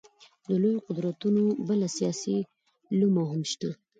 د لویو قدرتونو بله سیاسي لومه هم شته.